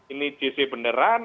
ini jc beneran